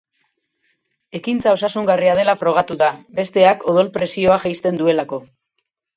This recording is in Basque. Ekintza osasungarria dela frogatu da, besteak odol presioa jeisten duelako.